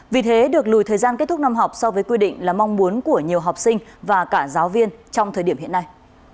vì thế được lùi thời gian kết thúc năm học so với quy định là mong muốn của nhiều học sinh và cả giáo viên trong thời điểm hiện nay